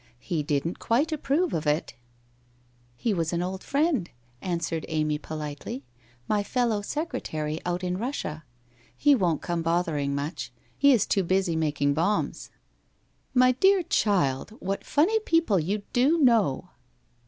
He didn't quite approve of it/ ' He was an old friend/ answered Amy, politely, * my fellow secretary out in Russia. He won't come bothering much — he is too busy making bombs !'' My dear child, what funny people you do know